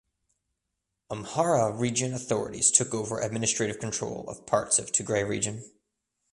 Amhara Region authorities took over administrative control of parts of Tigray Region.